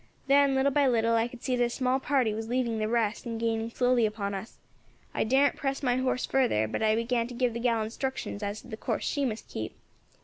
Then little by little I could see that a small party was leaving the rest and gaining slowly upon us; I darn't press my horse further, but I began to give the gal instructions as to the course she should keep.